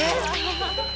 アハハハ。